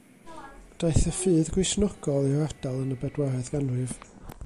Daeth y ffydd Gristionogol i'r ardal yn y bedwaredd ganrif.